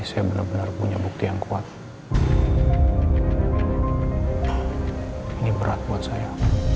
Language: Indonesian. saya benar benar punya bukti yang kuat ini berat buat saya